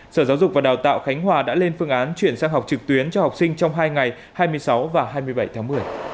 sở giáo dục và đào tạo khánh hòa đã lên phương án chuyển sang học trực tuyến cho học sinh trong hai ngày hai mươi sáu và hai mươi bảy tháng một mươi